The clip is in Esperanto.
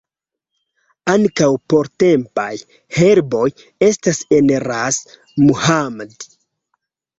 Ankaŭ portempaj herboj estas en Ras Muhammad.